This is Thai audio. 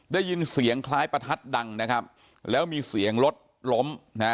ได้ยินเสียงคล้ายประทัดดังนะครับแล้วมีเสียงรถล้มนะฮะ